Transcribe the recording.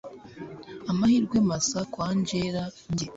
amahirwe masa kwa angella njye